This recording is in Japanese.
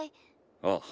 ああ。